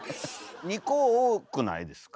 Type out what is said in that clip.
２個多くないですか？